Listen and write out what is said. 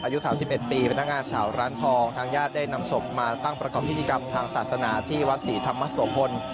อายุ๓๑ปีพนักงานสาวร้านทองทางญาติได้นำศพมาตั้งประกอบพิธีกรรมทางศาสนาที่วัดศรีธรรมโสพล